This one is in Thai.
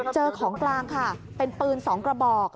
เจอของกลางค่ะเป็นปืน๒กระบอก